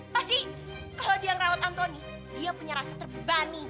pasti kalau dia ngerawat antoni dia punya rasa terbani